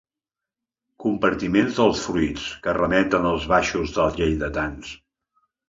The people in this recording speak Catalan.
Compartiments dels fruits que remeten als baixos dels lleidatans.